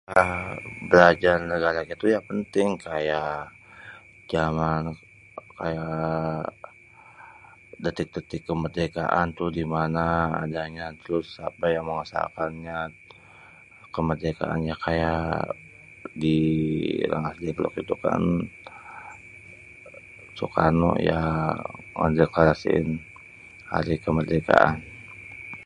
Ya belajar negaranya tuh penting kaya, jalan, kaya, detik-detik kemerdekaan tuh dimana ada nya terus apa ya mosakannya kemerdekaannya kaya di Rengasdengklok itu kan, sukarno ya udeh kaya sin hari kemerdekaan.